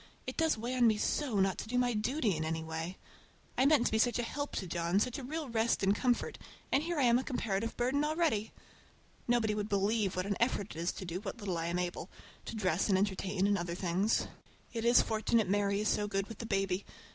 It does weigh on me so not to do my duty in any way! I meant to be such a help to John, such a real rest and comfort, and here I am a comparative burden already! Nobody would believe what an effort it is to do what little I am able—to dress and entertain, and order things. It is fortunate Mary is so good with the baby.